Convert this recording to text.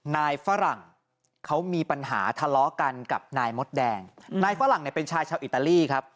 ฝรั่งเขามีปัญหาทะเลาะกันกับนายมดแดงนายฝรั่งเนี่ยเป็นชายชาวอิตาลีครับ